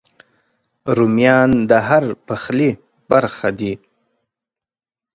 رومیان د هر پخلي برخه دي